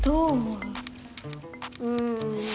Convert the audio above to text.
うん。